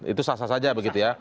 itu sah sah saja begitu ya